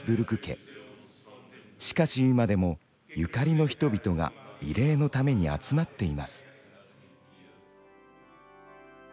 しかし今でもゆかりの人々が慰霊のために集まっています。